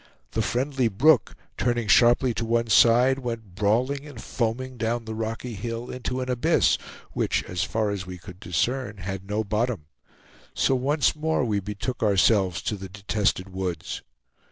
The friendly brook, turning sharply to one side, went brawling and foaming down the rocky hill into an abyss, which, as far as we could discern, had no bottom; so once more we betook ourselves to the detested woods.